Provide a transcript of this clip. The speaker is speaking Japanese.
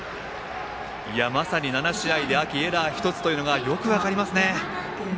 まさに７試合で秋、エラー１つというのがよく分かります。